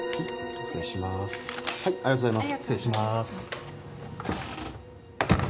失礼します。